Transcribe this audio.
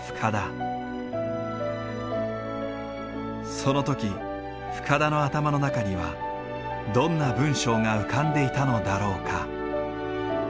その時深田の頭の中にはどんな文章が浮かんでいたのだろうか。